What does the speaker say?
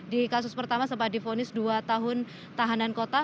di kasus pertama sempat difonis dua tahun tahanan kota